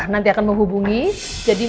nanti akan menghubungi jadi